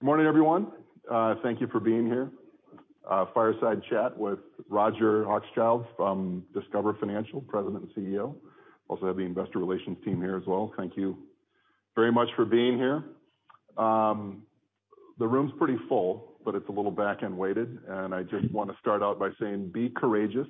Good morning, everyone. Thank you for being here. Fireside chat with Roger Hochschild from Discover Financial, President and CEO. Also have the investor relations team here as well. Thank you very much for being here. The room's pretty full, but it's a little back-end-weighted. I just wanna start out by saying be courageous.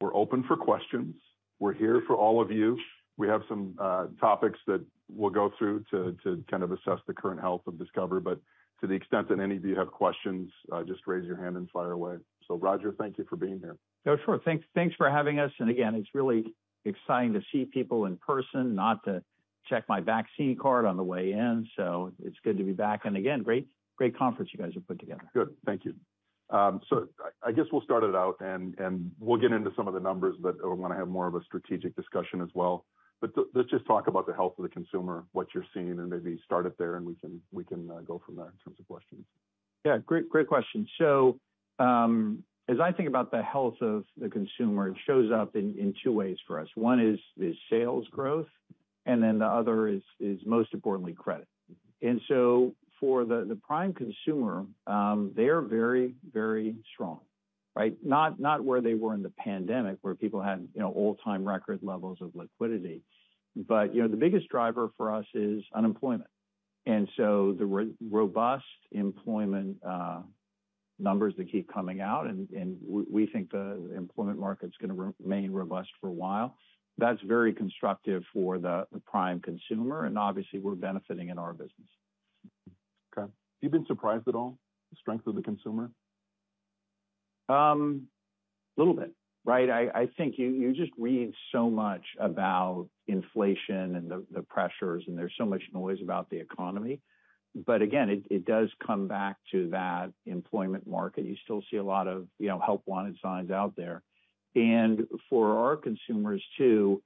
We're open for questions. We're here for all of you. We have some topics that we'll go through to kind of assess the current health of Discover. To the extent that any of you have questions, just raise your hand and fire away. Roger, thank you for being here. Oh, sure. Thanks, thanks for having us. Again, it's really exciting to see people in person, not to check my vaccine card on the way in, so it's good to be back. Again, great conference you guys have put together. Good. Thank you. I guess we'll start it out and we'll get into some of the numbers, but I wanna have more of a strategic discussion as well. Let's just talk about the health of the consumer, what you're seeing, and maybe start it there, and we can go from there in terms of questions. Yeah, great question. As I think about the health of the consumer, it shows up in two ways for us. One is sales growth, and then the other is most importantly credit. For the prime consumer, they're very strong, right? Not where they were in the pandemic, where people had, you know, all-time record levels of liquidity. The biggest driver for us is unemployment. The robust employment numbers that keep coming out and we think the employment market's gonna remain robust for a while. That's very constructive for the prime consumer, and obviously we're benefiting in our business. Okay. Have you been surprised at all, the strength of the consumer? Little bit, right? I think you just read so much about inflation and the pressures, and there's so much noise about the economy. Again, it does come back to that employment market. You still see a lot of, you know, help wanted signs out there. For our consumers too,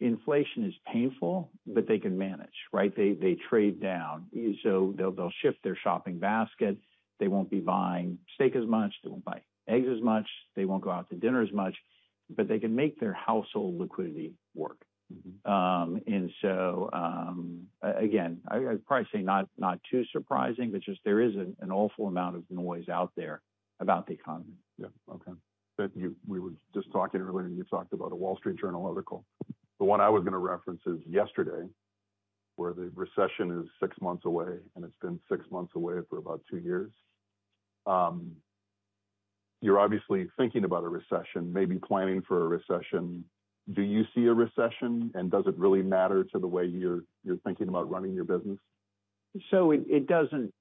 inflation is painful, but they can manage, right? They trade down. They'll shift their shopping basket. They won't be buying steak as much. They won't buy eggs as much. They won't go out to dinner as much. They can make their household liquidity work. Mm-hmm. Again, I'd probably say not too surprising, but just there is an awful amount of noise out there about the economy. Yeah. Okay. We were just talking earlier, and you talked about a Wall Street Journal article. The one I was gonna reference is yesterday, where the recession is six months away, and it's been six months away for about two years. You're obviously thinking about a recession, maybe planning for a recession. Do you see a recession, and does it really matter to the way you're thinking about running your business? It doesn't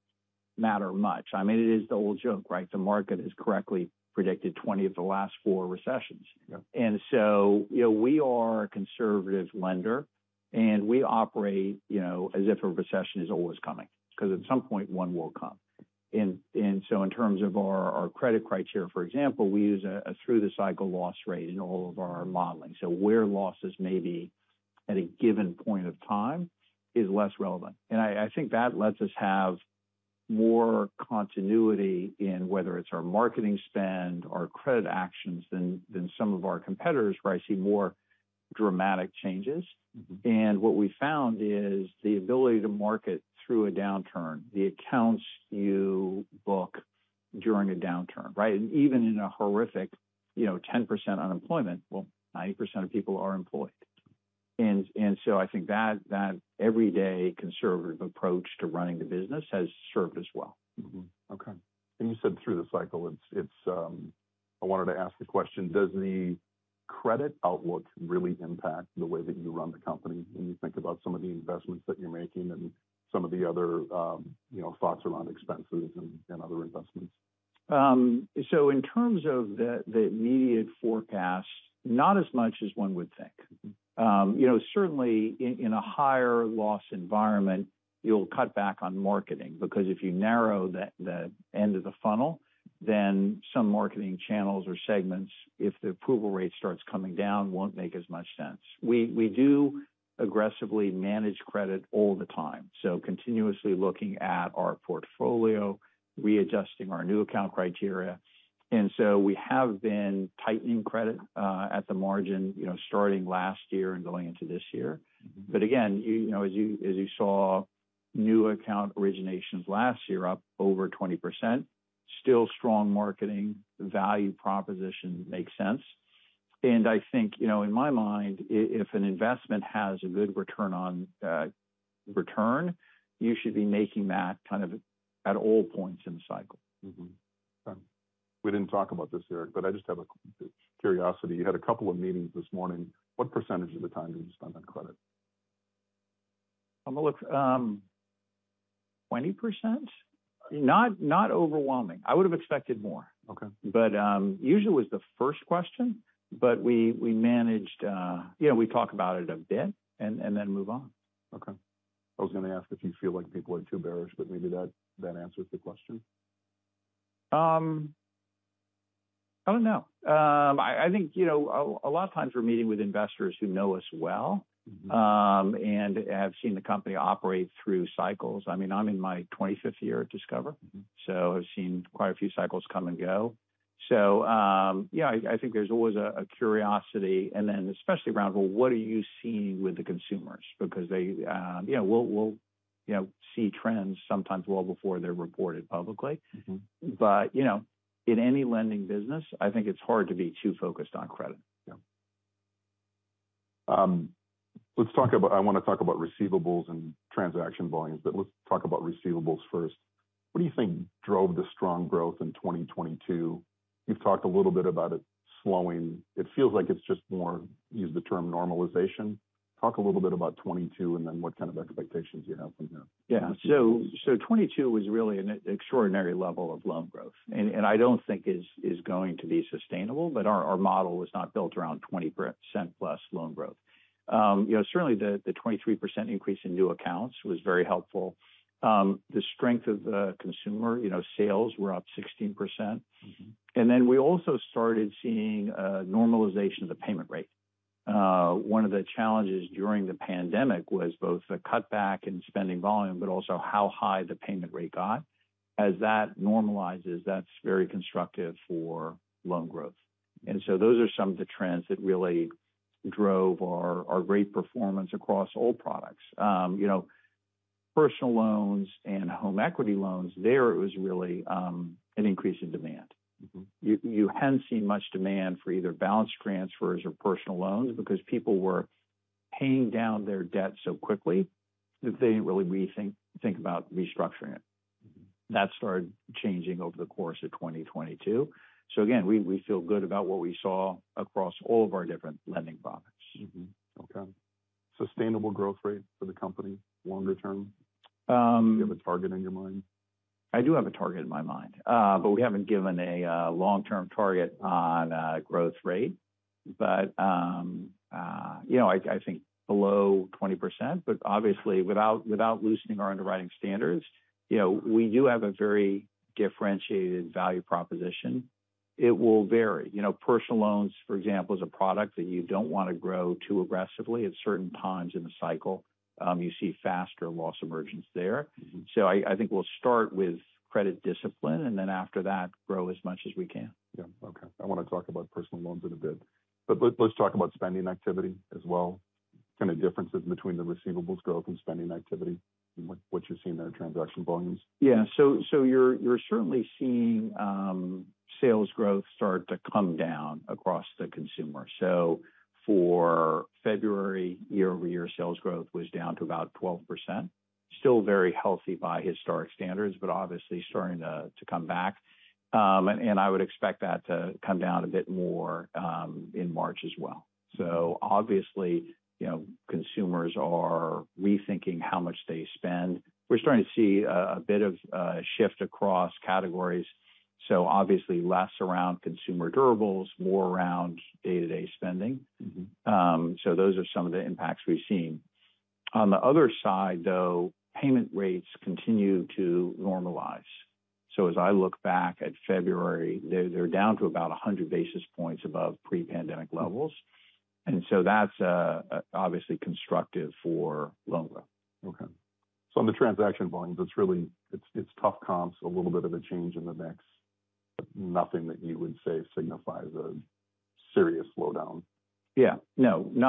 matter much. I mean, it is the old joke, right? The market has correctly predicted 20 of the last 4 recessions. Yeah. You know, we are a conservative lender, and we operate, you know, as if a recession is always coming because at some point, one will come. In terms of our credit criteria, for example, we use a through-the-cycle loss rate in all of our modeling. Where losses may be at a given point of time is less relevant. I think that lets us have more continuity in whether it's our marketing spend, our credit actions than some of our competitors where I see more dramatic changes. Mm-hmm. What we found is the ability to market through a downturn, the accounts you book during a downturn, right? Even in a horrific, you know, 10% unemployment, well, 90% of people are employed. So I think that everyday conservative approach to running the business has served us well. Okay. You said through the cycle, I wanted to ask the question, does the credit outlook really impact the way that you run the company when you think about some of the investments that you're making and some of the other, you know, thoughts around expenses and other investments? So in terms of the immediate forecast, not as much as one would think. You know, certainly in a higher loss environment, you'll cut back on marketing because if you narrow the end of the funnel, then some marketing channels or segments, if the approval rate starts coming down, won't make as much sense. We, we do aggressively manage credit all the time, so continuously looking at our portfolio, readjusting our new account criteria. We have been tightening credit at the margin, you know, starting last year and going into this year. Mm-hmm. Again, you know, as you saw, new account originations last year up over 20%, still strong marketing, the value proposition makes sense. I think, you know, in my mind, if an investment has a good return on, return, you should be making that kind of at all points in the cycle. Mm-hmm. Okay. We didn't talk about this, Eric, but I just have a curiosity. You had a couple of meetings this morning. What % of the time did you spend on credit? look, 20%. Not, not overwhelming. I would have expected more. Okay. Usually it's the first question, but we managed, you know, we talk about it a bit and then move on. Okay. I was gonna ask if you feel like people are too bearish. Maybe that answers the question. I don't know. I think, you know, a lot of times we're meeting with investors who know us well. Mm-hmm... have seen the company operate through cycles. I mean, I'm in my 25th year at Discover. Mm-hmm. I've seen quite a few cycles come and go. Yeah, I think there's always a curiosity, and then especially around, well, what are you seeing with the consumers? Because they, you know, we'll, you know, see trends sometimes well before they're reported publicly. Mm-hmm. You know, in any lending business, I think it's hard to be too focused on credit. Yeah. I wanna talk about receivables and transaction volumes. Let's talk about receivables first. What do you think drove the strong growth in 2022? You've talked a little bit about it slowing. It feels like it's just more, use the term normalization. Talk a little bit about '22, and then what kind of expectations you have from there. Yeah. 22 was really an extraordinary level of loan growth, and I don't think is going to be sustainable. Our model was not built around 20% plus loan growth. you know, certainly the 23% increase in new accounts was very helpful. The strength of the consumer, you know, sales were up 16%. Mm-hmm. We also started seeing a normalization of the payment rate. One of the challenges during the pandemic was both the cutback in spending volume, but also how high the payment rate got. As that normalizes, that's very constructive for loan growth. Those are some of the trends that really drove our great performance across all products. You know, personal loans and home equity loans, there it was really an increase in demand. Mm-hmm. You hadn't seen much demand for either balance transfers or personal loans because people were paying down their debt so quickly that they didn't really think about restructuring it. Mm-hmm. That started changing over the course of 2022. Again, we feel good about what we saw across all of our different lending products. Mm-hmm. Okay. Sustainable growth rate for the company longer term? Um- Do you have a target in your mind? I do have a target in my mind. We haven't given a long-term target on growth rate. You know, I think below 20%, but obviously without loosening our underwriting standards. You know, we do have a very differentiated value proposition. It will vary. You know, personal loans, for example, is a product that you don't wanna grow too aggressively. At certain times in the cycle, you see faster loss emergence there. Mm-hmm. I think we'll start with credit discipline, and then after that grow as much as we can. Yeah. Okay. I wanna talk about personal loans in a bit. Let's talk about spending activity as well, kind of differences between the receivables growth and spending activity and what you're seeing there in transaction volumes. You're certainly seeing sales growth start to come down across the consumer. For February, year-over-year sales growth was down to about 12%. Still very healthy by historic standards, but obviously starting to come back. And I would expect that to come down a bit more in March as well. Obviously, you know, consumers are rethinking how much they spend. We're starting to see a bit of a shift across categories. Obviously less around consumer durables, more around day-to-day spending. Mm-hmm. Those are some of the impacts we've seen. On the other side, though, payment rates continue to normalize. As I look back at February, they're down to about 100 basis points above pre-pandemic levels. That's obviously constructive for loan growth. On the transaction volumes, it's tough comps, a little bit of a change in the mix, but nothing that you would say signifies a serious slowdown. Yeah. No, you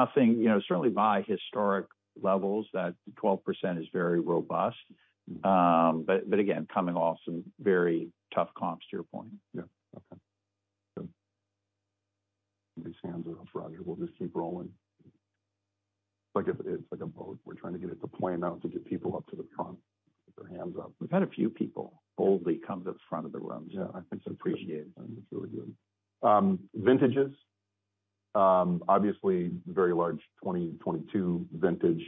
know, certainly by historic levels that 12% is very robust, again, coming off some very tough comps to your point. Yeah. Okay. Good. Nobody's hands are up. Roger, we'll just keep rolling. Like it's like a boat. We're trying to get it to plan out to get people up to the front with their hands up. We've had a few people boldly come to the front of the room. Yeah. It's appreciated. It's really good. Vintages. Obviously, very large 2022 vintage.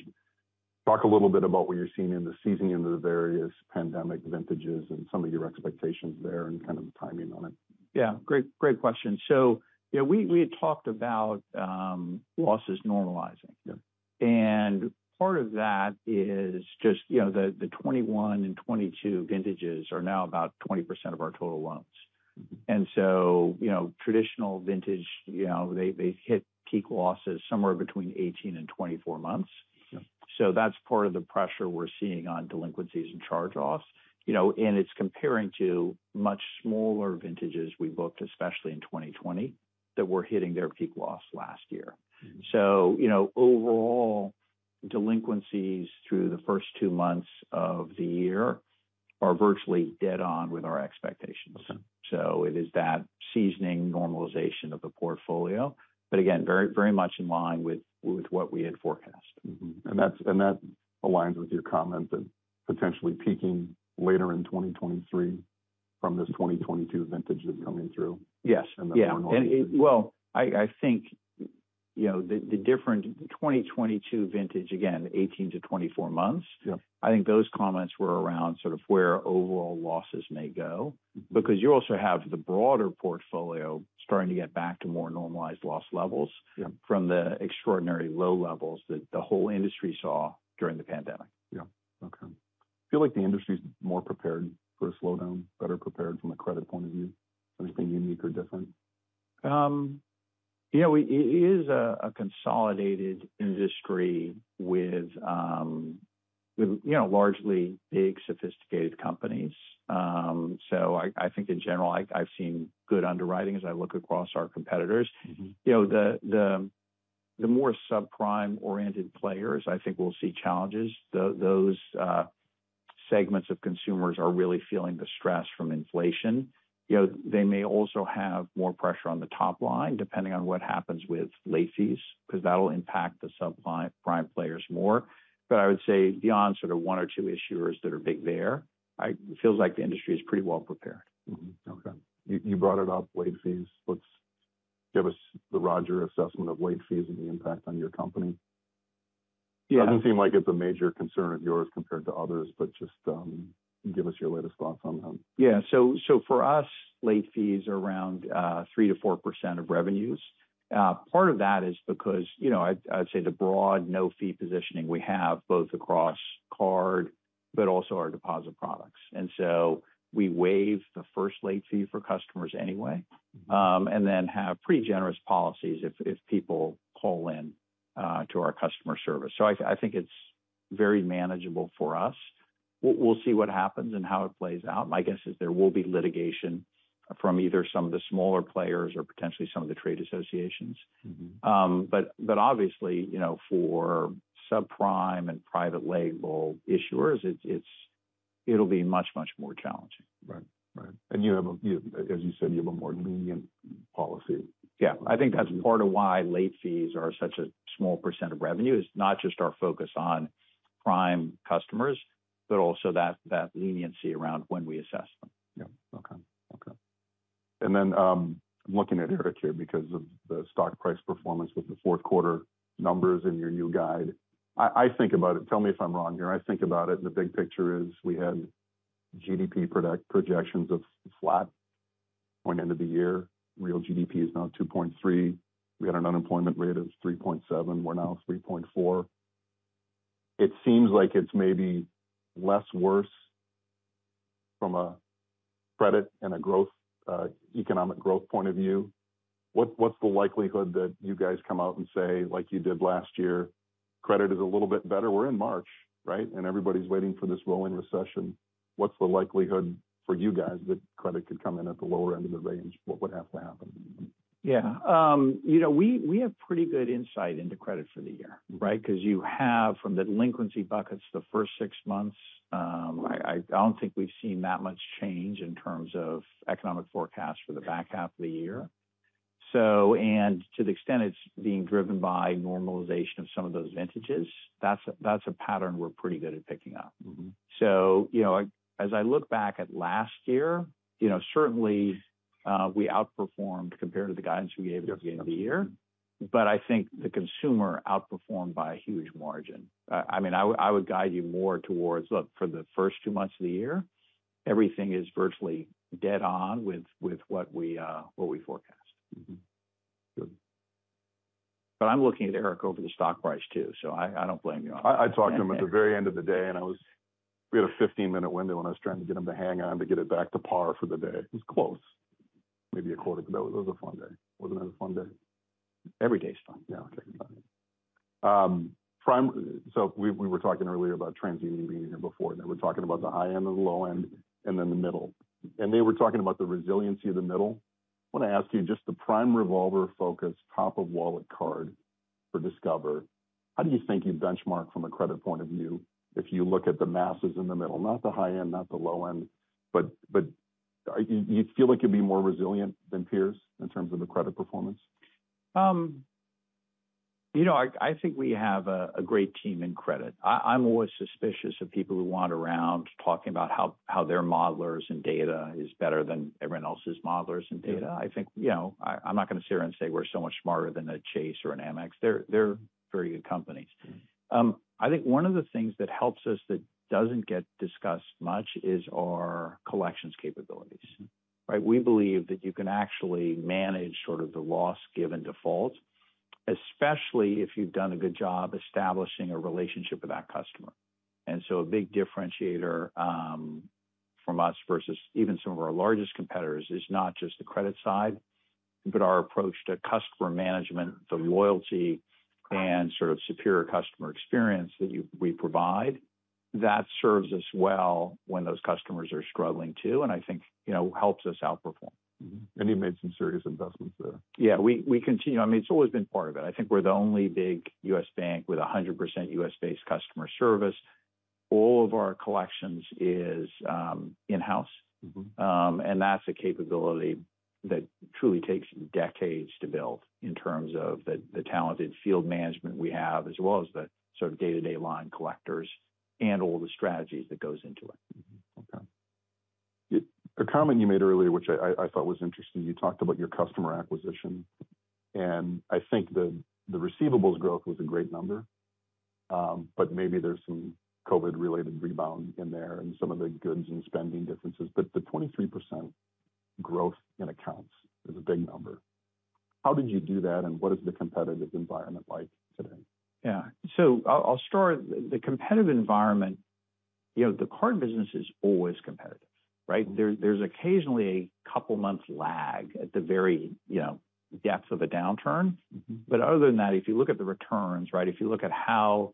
Talk a little bit about what you're seeing in the seasoning of the various pandemic vintages and some of your expectations there and kind of the timing on it. Yeah. Great question. Yeah, we had talked about losses normalizing. Yeah. Part of that is just, you know, the 21 and 22 vintages are now about 20% of our total loans. Mm-hmm. you know, traditional vintage, you know, they hit peak losses somewhere between 18 and 24 months. Yeah. That's part of the pressure we're seeing on delinquencies and charge-offs. You know, it's comparing to much smaller vintages we booked, especially in 2020, that were hitting their peak loss last year. Mm-hmm. you know, overall delinquencies through the first 2 months of the year are virtually dead on with our expectations. Okay. It is that seasoning normalization of the portfolio, but again, very, very much in line with what we had forecast. Mm-hmm. That aligns with your comment that potentially peaking later in 2023 from this 2022 vintage that's coming through. Yes. Yeah. Then normalizing. Well, I think, you know, the different 2022 vintage again, 18-24 months. Yeah. I think those comments were around sort of where overall losses may go. Mm-hmm. You also have the broader portfolio starting to get back to more normalized loss levels. Yeah. from the extraordinary low levels that the whole industry saw during the pandemic. Yeah. Okay. I feel like the industry's more prepared for a slowdown, better prepared from a credit point of view. Anything unique or different? you know, it is a consolidated industry with, you know, largely big, sophisticated companies. I think in general, I've seen good underwriting as I look across our competitors. Mm-hmm. You know, the more subprime-oriented players, I think will see challenges. Those segments of consumers are really feeling the stress from inflation. You know, they may also have more pressure on the top line, depending on what happens with late fees, because that'll impact the subprime players more. I would say beyond sort of one or two issuers that are big there, it feels like the industry is pretty well prepared. Mm-hmm. Okay. You brought it up, late fees. Let's give us the Roger assessment of late fees and the impact on your company. Yeah. It doesn't seem like it's a major concern of yours compared to others, but just, give us your latest thoughts on them. Yeah. So for us, late fees are around 3%-4% of revenues. Part of that is because, you know, I'd say the broad no-fee positioning we have, both across card but also our deposit products. We waive the first late fee for customers anyway. Mm-hmm... have pretty generous policies if people call in to our customer service. I think it's very manageable for us. We'll see what happens and how it plays out. My guess is there will be litigation from either some of the smaller players or potentially some of the trade associations. Mm-hmm. Obviously, you know, for subprime and private label issuers, it'll be much more challenging. Right. Right. You, as you said, you have a more lenient policy. Yeah. I think that's part of why late fees are such a small % of revenue is not just our focus on prime customers, but also that leniency around when we assess them. Okay. Okay. I'm looking at here too, because of the stock price performance with the fourth quarter numbers and your new guide. I think about it. Tell me if I'm wrong here. I think about it, the big picture is we had GDP projections of flat going into the year. Real GDP is now 2.3. We had an unemployment rate of 3.7. We're now 3.4. It seems like it's maybe less worse from a credit and a growth, economic growth point of view. What's the likelihood that you guys come out and say, like you did last year, credit is a little bit better? We're in March, right? Everybody's waiting for this rolling recession. What's the likelihood for you guys that credit could come in at the lower end of the range? What would have to happen? Yeah. you know, we have pretty good insight into credit for the year, right? Because you have from the delinquency buckets the first six months. I don't think we've seen that much change in terms of economic forecast for the back half of the year. To the extent it's being driven by normalization of some of those vintages, that's a, that's a pattern we're pretty good at picking up. Mm-hmm. You know, as I look back at last year, you know, certainly, we outperformed compared to the guidance we gave at the beginning of the year. I think the consumer outperformed by a huge margin. I mean, I would guide you more towards, look, for the first 2 months of the year, everything is virtually dead on with what we, what we forecast. Mm-hmm. Good. I'm looking at Eric over the stock price too, so I don't blame you. I talked to him at the very end of the day. We had a 15-minute window. I was trying to get him to hang on to get it back to par for the day. It was close. Maybe a quarter. That was a fun day. Wasn't it a fun day? Every day is fun. Yeah. Okay. Got it. We were talking earlier about TransUnion being here before, they were talking about the high end and the low end and then the middle. They were talking about the resiliency of the middle. I want to ask you, just the prime revolver focus, top of wallet card for Discover, how do you think you benchmark from a credit point of view if you look at the masses in the middle? Not the high end, not the low end, but you feel like you'd be more resilient than peers in terms of the credit performance? You know, I think we have a great team in credit. I'm always suspicious of people who wand around talking about how their modelers and data is better than everyone else's modelers and data. I think, you know, I'm not gonna sit here and say we're so much smarter than a Chase or an Amex. They're very good companies. I think one of the things that helps us that doesn't get discussed much is our collections capabilities, right? We believe that you can actually manage sort of the Loss Given Default, especially if you've done a good job establishing a relationship with that customer. A big differentiator, from us versus even some of our largest competitors is not just the credit side, but our approach to customer management, the loyalty, and sort of superior customer experience that we provide, that serves us well when those customers are struggling too, and I think, you know, helps us outperform. Mm-hmm. You've made some serious investments there. Yeah. We continue. I mean, it's always been part of it. I think we're the only big U.S. bank with a 100% U.S.-based customer service. All of our collections is in-house. Mm-hmm. That's a capability that truly takes decades to build in terms of the talented field management we have, as well as the sort of day-to-day line collectors and all the strategies that goes into it. Okay. A comment you made earlier, which I thought was interesting, you talked about your customer acquisition, and I think the receivables growth was a great number, but maybe there's some COVID-related rebound in there and some of the goods and spending differences. The 23% growth in accounts is a big number. How did you do that, and what is the competitive environment like today? Yeah. I'll start. The competitive environment. You know, the card business is always competitive, right? There's occasionally a couple months lag at the very, you know, depth of a downturn. Mm-hmm. Other than that, if you look at the returns, right? If you look at how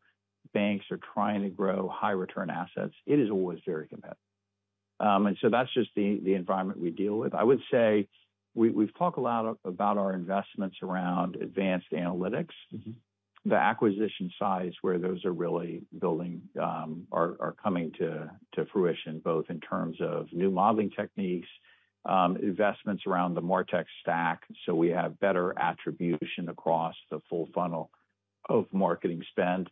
banks are trying to grow high return assets, it is always very competitive. That's just the environment we deal with. I would say we've talked a lot about our investments around advanced analytics. Mm-hmm. The acquisition side is where those are really building, coming to fruition, both in terms of new modeling techniques, investments around the MarTech stack, so we have better attribution across the full funnel of marketing spend.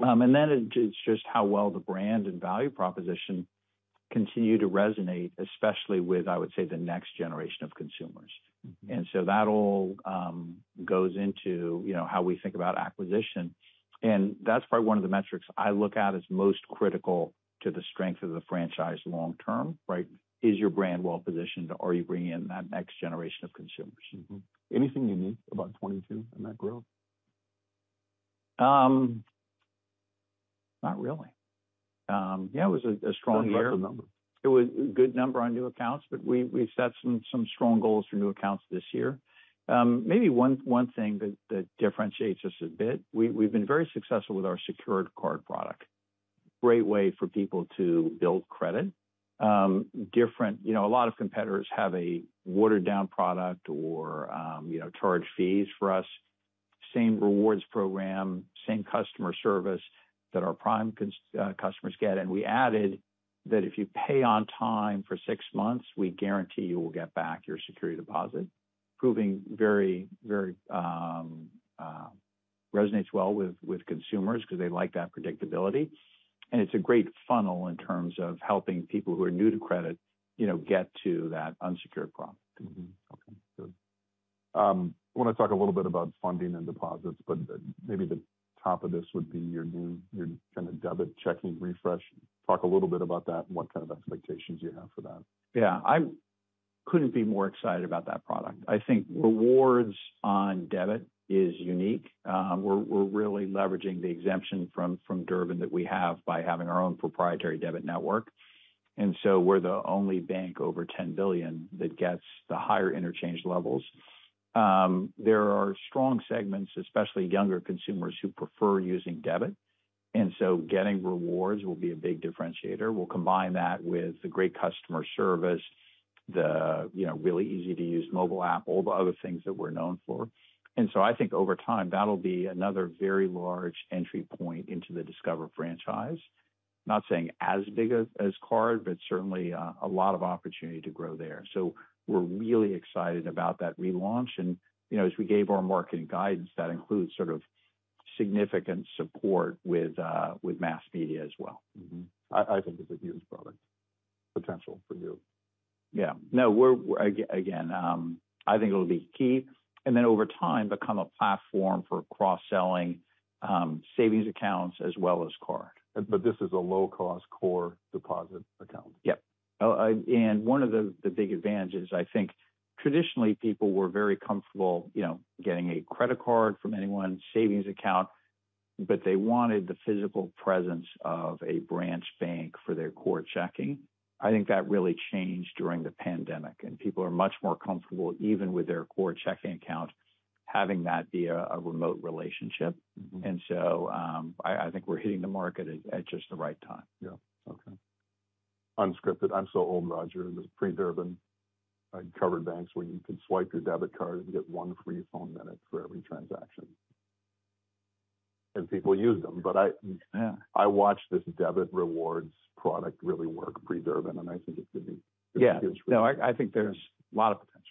It's just how well the brand and value proposition continue to resonate, especially with, I would say, the next generation of consumers. Mm-hmm. That all goes into, you know, how we think about acquisition, and that's probably one of the metrics I look at as most critical to the strength of the franchise long term, right? Is your brand well-positioned? Are you bringing in that next generation of consumers? Mm-hmm. Anything unique about 22 in that growth? Not really. Yeah, it was a strong year. What about the number? It was a good number on new accounts. We set some strong goals for new accounts this year. Maybe one thing that differentiates us a bit, we've been very successful with our secured card product. Great way for people to build credit. You know, a lot of competitors have a watered down product or, you know, charge fees. For us, same rewards program, same customer service that our prime customers get, and we added that if you pay on time for 6 months, we guarantee you will get back your security deposit. Proving very, resonates well with consumers because they like that predictability, and it's a great funnel in terms of helping people who are new to credit, you know, get to that unsecured product. Mm-hmm. Okay, good. I wanna talk a little bit about funding and deposits. Maybe the top of this would be your kind of debit checking refresh. Talk a little bit about that and what kind of expectations you have for that. Yeah. I couldn't be more excited about that product. I think rewards on debit is unique. We're really leveraging the exemption from Durbin that we have by having our own proprietary debit network. We're the only bank over 10 billion that gets the higher interchange levels. There are strong segments, especially younger consumers, who prefer using debit, getting rewards will be a big differentiator. We'll combine that with the great customer service, the, you know, really easy-to-use mobile app, all the other things that we're known for. I think over time, that'll be another very large entry point into the Discover franchise. Not saying as big as card, but certainly a lot of opportunity to grow there. We're really excited about that relaunch. you know, as we gave our marketing guidance, that includes sort of significant support with mass media as well. Mm-hmm. I think it's a huge product potential for you. Yeah. No, again, I think it'll be key and then over time become a platform for cross-selling, savings accounts as well as card. This is a low-cost core deposit account. Yep. One of the big advantages, I think traditionally people were very comfortable, you know, getting a credit card from anyone, savings account, but they wanted the physical presence of a branch bank for their core checking. I think that really changed during the pandemic, and people are much more comfortable, even with their core checking account, having that be a remote relationship. Mm-hmm. I think we're hitting the market at just the right time. Yeah. Okay. Unscripted. I'm so old, Roger. There was pre-Durbin, like covered banks where you could swipe your debit card and get one free phone minute for every transaction, and people used them. Yeah. I watched this debit rewards product really work pre-Durbin, and I think it could. Yeah. It's huge. No, I think there's a lot of potential.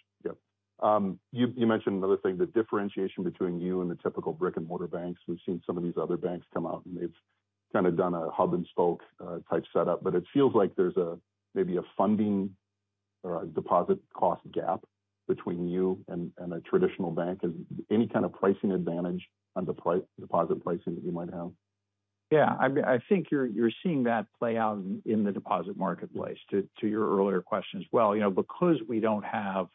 Yeah. You mentioned another thing, the differentiation between you and the typical brick-and-mortar banks. We've seen some of these other banks come out, and they've kind of done a hub and spoke type setup. It feels like there's a maybe a funding or a deposit cost gap between you and a traditional bank. Is any kind of pricing advantage on deposit pricing that you might have? Yeah. I mean, I think you're seeing that play out in the deposit marketplace, to your earlier question as well. You know, because we don't have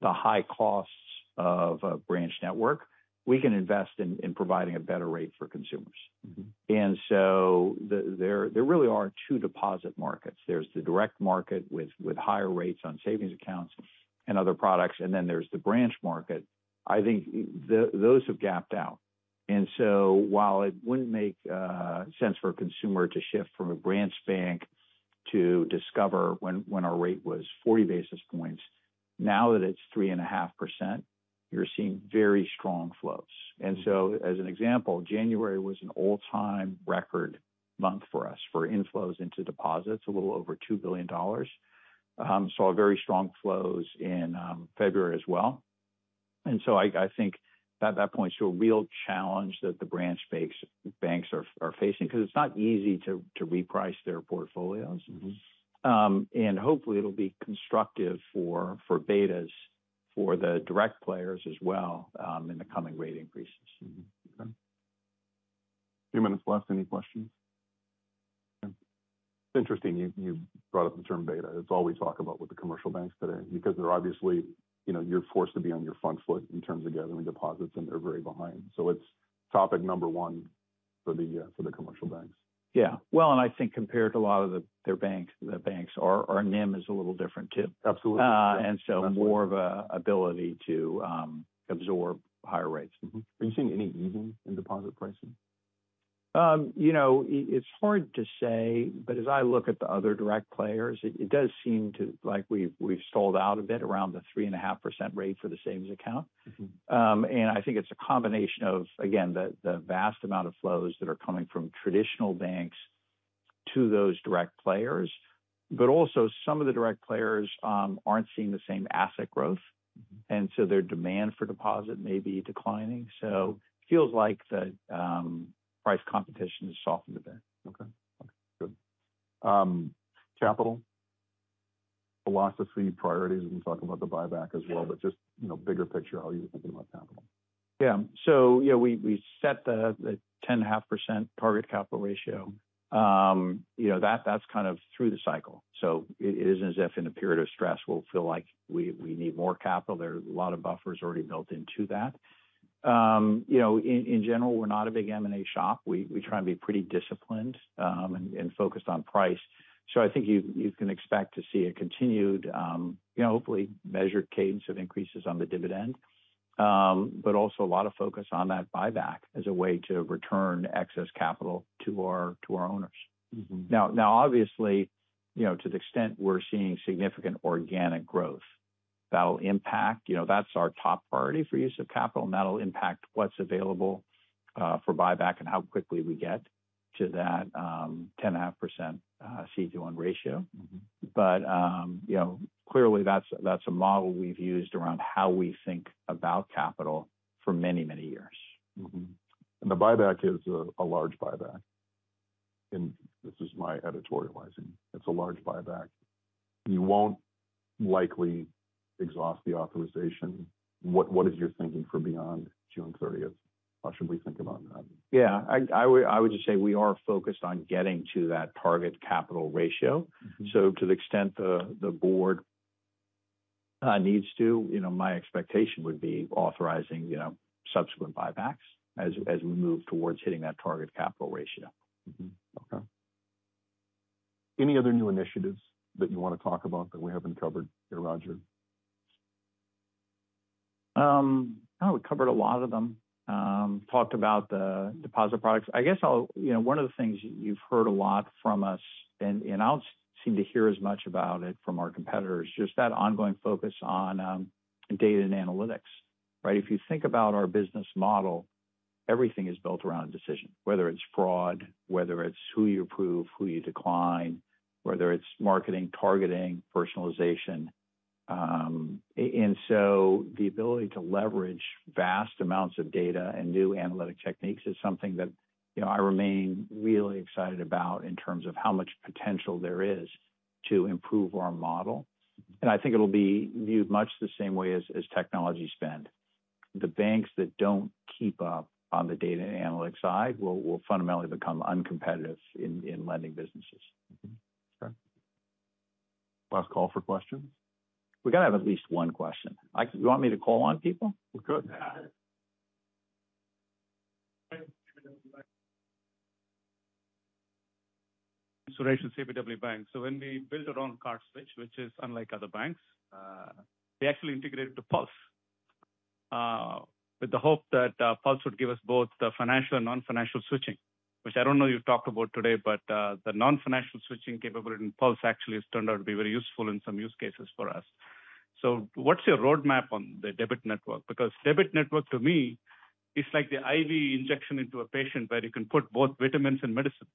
the high costs of a branch network, we can invest in providing a better rate for consumers. Mm-hmm. There really are two deposit markets. There's the direct market with higher rates on savings accounts and other products, there's the branch market. I think those have gapped out. While it wouldn't make sense for a consumer to shift from a branch bank to Discover when our rate was 40 basis points, now that it's 3.5%, you're seeing very strong flows. Mm-hmm. As an example, January was an all-time record month for us for inflows into deposits, a little over $2 billion. saw very strong flows in February as well. I think that that points to a real challenge that the banks are facing because it's not easy to reprice their portfolios. Mm-hmm. Hopefully it'll be constructive for betas, for the direct players as well, in the coming rate increases. Okay. Few minutes left. Any questions? It's interesting you brought up the term beta. It's all we talk about with the commercial banks today because they're obviously, you know, you're forced to be on your front foot in terms of gathering deposits, and they're very behind. It's topic number one for the commercial banks. Yeah. Well, I think compared to a lot of their banks, our NIM is a little different too. Absolutely. more of a ability to absorb higher rates. Mm-hmm. Are you seeing any easing in deposit pricing? You know, it's hard to say, but as I look at the other direct players, it does seem to like we've stalled out a bit around the 3.5% rate for the savings account. Mm-hmm. I think it's a combination of, again, the vast amount of flows that are coming from traditional banks to those direct players. Also, some of the direct players aren't seeing the same asset growth-. Mm-hmm. Their demand for deposit may be declining. Feels like the price competition has softened a bit. Okay. Good. Capital philosophy priorities, we can talk about the buyback as well, just, you know, bigger picture, how are you thinking about capital? Yeah. Yeah, we set the 10.5% target capital ratio. You know, that's kind of through the cycle, so it isn't as if in a period of stress we'll feel like we need more capital. There are a lot of buffers already built into that. You know, in general, we're not a big M&A shop. We, we try and be pretty disciplined, and focused on price. I think you can expect to see a continued, you know, hopefully measured cadence of increases on the dividend. Also a lot of focus on that buyback as a way to return excess capital to our, to our owners. Mm-hmm. Now obviously, you know, to the extent we're seeing significant organic growth, that'll impact. You know, that's our top priority for use of capital, and that'll impact what's available for buyback and how quickly we get to that 10.5% CE1 ratio. Mm-hmm. you know, clearly, that's a model we've used around how we think about capital for many years. Mm-hmm. The buyback is a large buyback. This is my editorializing. It's a large buyback. You won't likely exhaust the authorization. What is your thinking for beyond June thirtieth? How should we think about that? Yeah, I would just say we are focused on getting to that target capital ratio. Mm-hmm. To the extent the board needs to, you know, my expectation would be authorizing, you know, subsequent buybacks as we move towards hitting that target capital ratio. Mm-hmm. Okay. Any other new initiatives that you wanna talk about that we haven't covered here, Roger? No, we covered a lot of them. Talked about the deposit products. I guess, you know, one of the things you've heard a lot from us, and I don't seem to hear as much about it from our competitors, just that ongoing focus on data and analytics, right? If you think about our business model, everything is built around a decision, whether it's fraud, whether it's who you approve, who you decline, whether it's marketing, targeting, personalization. So the ability to leverage vast amounts of data and new analytic techniques is something that, you know, I remain really excited about in terms of how much potential there is to improve our model. Mm-hmm. I think it'll be viewed much the same way as technology spend. The banks that don't keep up on the data and analytics side will fundamentally become uncompetitive in lending businesses. Mm-hmm. Okay. Last call for questions. We gotta have at least one question. Do you want me to call on people? We could. In relation to CBW Bank. When we built our own card switch, which is unlike other banks, we actually integrated the Pulse with the hope that Pulse would give us both the financial and non-financial switching, which I don't know you talked about today, but the non-financial switching capability in Pulse actually has turned out to be very useful in some use cases for us. What's your roadmap on the debit network? Because debit network, to me, is like the IV injection into a patient where you can put both vitamins and medicine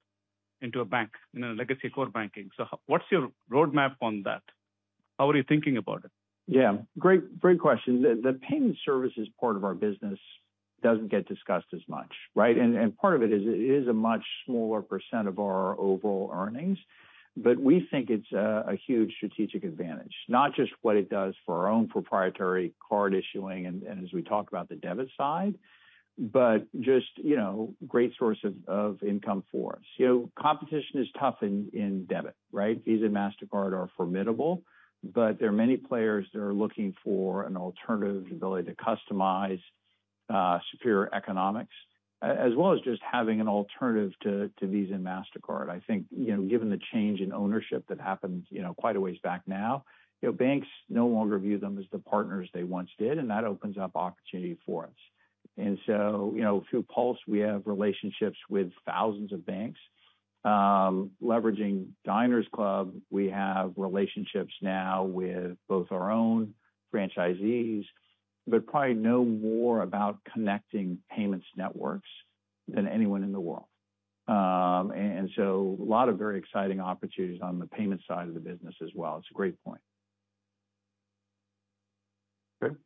into a bank in a legacy core banking. What's your roadmap on that? How are you thinking about it? Yeah. Great question. The payment services part of our business doesn't get discussed as much, right? Part of it is, it is a much smaller percent of our overall earnings. We think it's a huge strategic advantage, not just what it does for our own proprietary card issuing and as we talked about the debit side, but just, you know, great source of income for us. You know, competition is tough in debit, right? Visa and Mastercard are formidable, but there are many players that are looking for an alternative ability to customize superior economics, as well as just having an alternative to Visa and Mastercard. I think, you know, given the change in ownership that happened, you know, quite a ways back now, you know, banks no longer view them as the partners they once did, and that opens up opportunity for us. You know, through Pulse, we have relationships with thousands of banks. Leveraging Diners Club, we have relationships now with both our own franchisees, but probably know more about connecting payments networks than anyone in the world. A lot of very exciting opportunities on the payment side of the business as well. It's a great point. Good.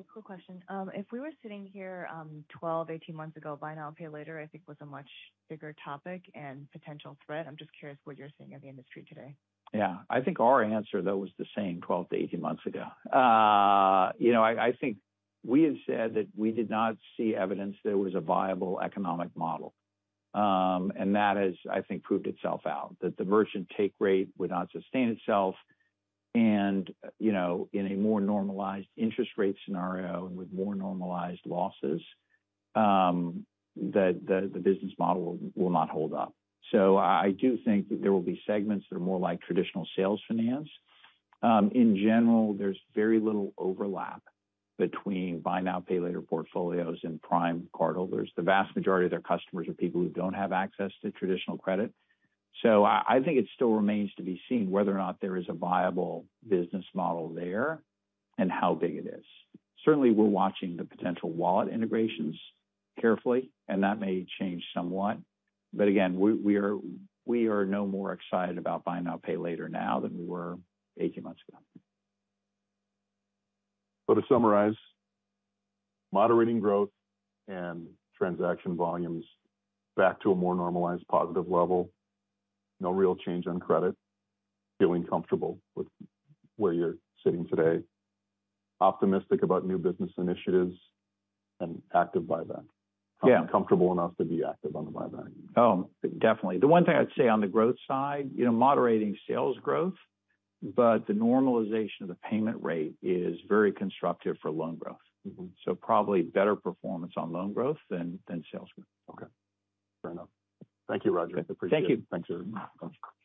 A quick question. If we were sitting here, 12, 18 months ago, Buy Now, Pay Later, I think was a much bigger topic and potential threat. I'm just curious what you're seeing in the industry today. Yeah. I think our answer, though, was the same 12-18 months ago. you know, I think we had said that we did not see evidence there was a viable economic model. That has, I think, proved itself out, that the merchant take rate would not sustain itself. you know, in a more normalized interest rate scenario and with more normalized losses, that the business model will not hold up. I do think that there will be segments that are more like traditional sales finance. in general, there's very little overlap between Buy Now, Pay Later portfolios and prime cardholders. The vast majority of their customers are people who don't have access to traditional credit. I think it still remains to be seen whether or not there is a viable business model there and how big it is. Certainly, we're watching the potential wallet integrations carefully, and that may change somewhat. Again, we are no more excited about Buy Now, Pay Later now than we were 18 months ago. To summarize, moderating growth and transaction volumes back to a more normalized positive level. No real change on credit. Feeling comfortable with where you're sitting today. Optimistic about new business initiatives and active buyback. Yeah. Comfortable enough to be active on the buyback. Oh, definitely. The one thing I'd say on the growth side, you know, moderating sales growth, but the normalization of the payment rate is very constructive for loan growth. Mm-hmm. Probably better performance on loan growth than sales growth. Okay. Fair enough. Thank you, Roger. Appreciate it. Thank you. Thanks, everyone.